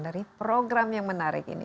dari program yang menarik ini